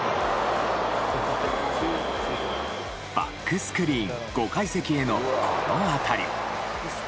バックスクリーン５階席へのこの当たり。